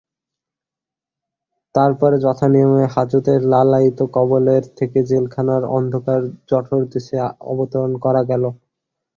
তার পরে যথানিয়মে হাজতের লালায়িত কবলের থেকে জেলখানার অন্ধকার জঠরদেশে অবতরণ করা গেল।